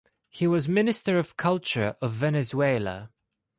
He was Minister of Culture of Venezuela.